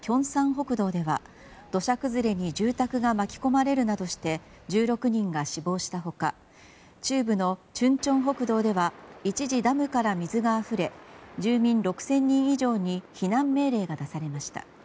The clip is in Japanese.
北道では土砂崩れに住宅が巻き込まれるなどして１６人が死亡した他中部のチュンチョン北道では一時、ダムから水があふれ住民６０００人以上に避難命令が出されました。